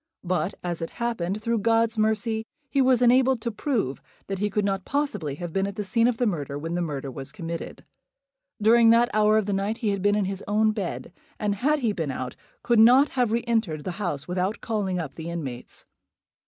But, as it happened, through God's mercy, he was enabled to prove that he could not possibly have been at the scene of the murder when the murder was committed. During that hour of the night he had been in his own bed; and, had he been out, could not have re entered the house without calling up the inmates.